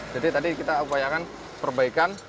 jadi tadi kita upayakan perbaikan